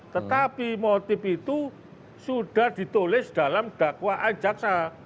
tetapi motif itu sudah ditulis dalam dakwaan jaksa